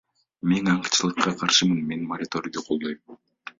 Мен аңчылыкка каршымын, мен мораторийди колдойм.